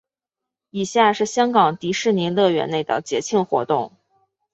以下是香港迪士尼乐园内的节庆活动。